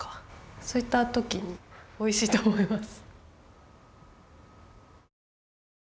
そういったときにおいしいと思います。